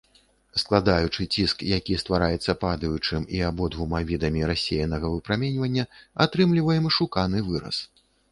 Складаючы ціск, які ствараецца падаючым і абодвума відамі рассеянага выпраменьвання, атрымліваем шуканы выраз.